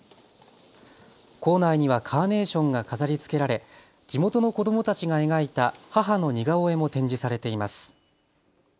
構内にはカーネーションが飾りつけられ地元の子どもたちが描いた母の似顔絵も展示されています。